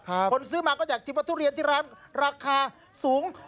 คนซื้อมาก็อยากชิมว่าทุเรียนที่ร้านราคาสูง